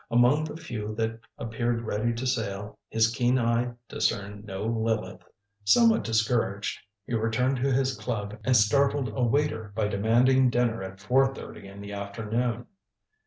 Among the few that appeared ready to sail his keen eye discerned no Lileth. Somewhat discouraged, he returned to his club and startled a waiter by demanding dinner at four thirty in the afternoon.